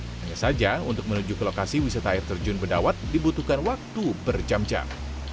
hanya saja untuk menuju ke lokasi wisata air terjun bedawat dibutuhkan waktu berjam jam